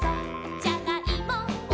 じゃがいも」「」